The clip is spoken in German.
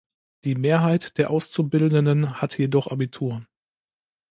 Die Mehrheit der Auszubildenden hat jedoch Abitur.